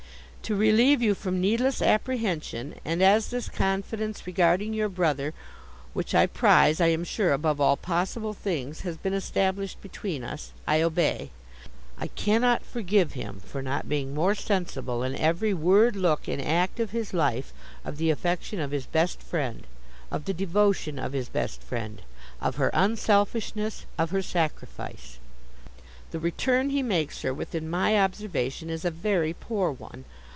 'To relieve you from needless apprehension—and as this confidence regarding your brother, which I prize I am sure above all possible things, has been established between us—I obey. I cannot forgive him for not being more sensible in every word, look, and act of his life, of the affection of his best friend; of the devotion of his best friend; of her unselfishness; of her sacrifice. The return he makes her, within my observation, is a very poor one.